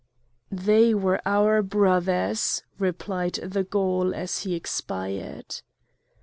"They were our brothers!" replied the Gaul, as he expired.